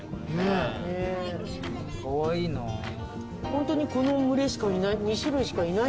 ホントにこの群れしかいない。